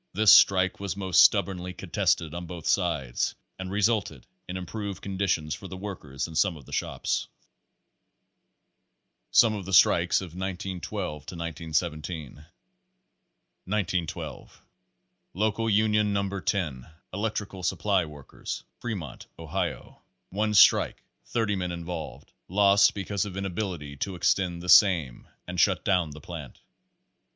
This strike was most stubbornly contested on both sides, and re sulted in improved conditions for the workers in some of the shops. Some of the Strikes of 1912 1917.* 1912 Local Union No. 10, Electrical Supply Workers, Fremont, Ohio. One strike; 30 men involved. Lost because of inability to extend the same and shut down the plant.